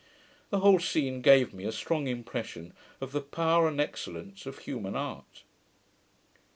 The whole scene gave me a strong impression of the power and excellence of human art.